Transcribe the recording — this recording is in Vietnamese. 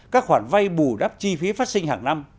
các khoản vay bù đắp chi phí phát sinh hàng năm